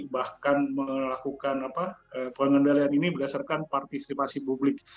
bahkan melakukan pengendalian ini berdasarkan partisipasi publik